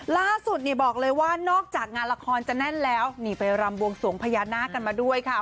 ล่าสุดนี่บอกเลยว่านอกจากงานละครจะแน่นแล้วนี่ไปรำบวงสวงพญานาคกันมาด้วยค่ะ